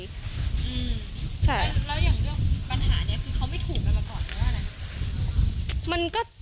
อืมแล้วอย่างเรื่องปัญหาเนี่ยคือเขาไม่ถูกกันมาก่อนหรืออะไร